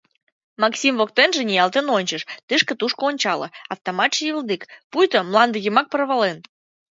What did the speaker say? Максим воктенже ниялтен ончыш, тышке-тушко ончале — автоматше йывылдик, пуйто мланде йымак порволен.